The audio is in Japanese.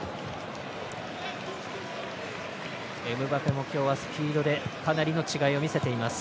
エムバペも今日はスピードでかなりの違いを見せています。